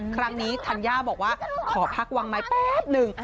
ครั้งนี้ธัญญาบอกว่าขอพักวางไม้แป๊บหนึ่ง